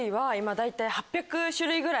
大体８００種類ぐらい。